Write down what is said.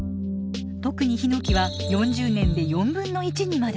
特にヒノキは４０年で４分の１にまで。